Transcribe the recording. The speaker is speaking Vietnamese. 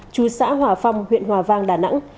chú xã hòa phong huyện hòa vang đà nẵng